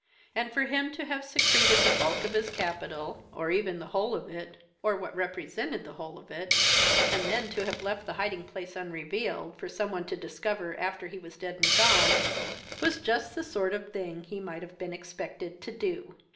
And for him to have secreted the bulk of his capital, or even the whole of it, or what represented the whole of it, and then to have left the hiding place unrevealed, for some one to discover after he was dead and gone, was just the sort of thing he might have been expected to do.